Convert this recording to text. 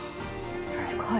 すごい。